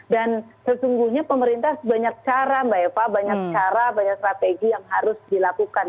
dan sesungguhnya pemerintah banyak cara banyak strategi yang harus dilakukan